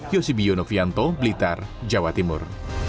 yosib yonufianto blitar jawa timur